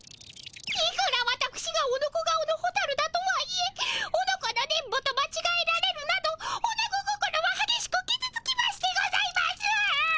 いくらわたくしがオノコ顔のホタルだとはいえオノコの電ボとまちがえられるなどオナゴ心ははげしくきずつきましてございます。